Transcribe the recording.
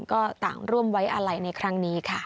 ก็ต่างร่วมไว้อาลัยในครั้งนี้ค่ะ